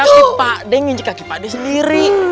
tapi pak d nginjek kaki pak d sendiri